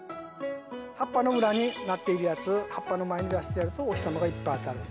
葉っぱの裏になっているやつ葉っぱの前に出してやるとお日さまがいっぱい当たる。